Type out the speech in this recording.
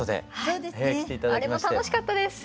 あれも楽しかったです。